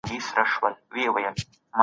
تعليم تر هر څه اړين دی.